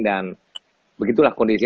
dan begitulah kondisi